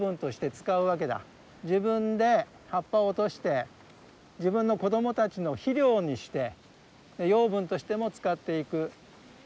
自分で葉っぱを落として自分の子どもたちの肥料にして養分としても使っていくね。